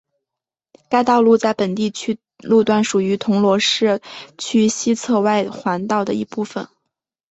该道路在本地区路段属于铜锣市区西侧外环道的一部分。